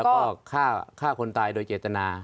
แล้วก็ฆ่าคนตายโดยเจตนา